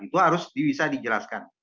itu harus bisa dijelaskan